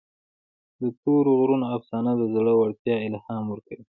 د تورې غرونو افسانه د زړه ورتیا الهام ورکوي.